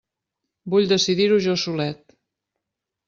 Vull decidir-ho jo solet!